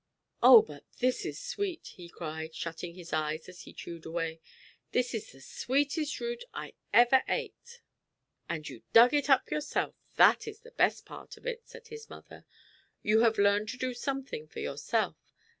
"Oh, but this is sweet!" he cried, shutting his eyes as he chewed away. "This is the sweetest root I ever ate." "And you dug it up yourself! That is best part of it," said his mother. "You have learned to do something for yourself.